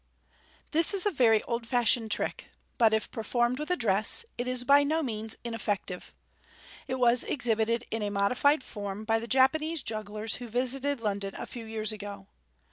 — This is a very old fashioned trick, but, if perw formed with address, is by no means ineffective. It was exhibited in a modified form by the Japanese jugglers who visited London a few years ago.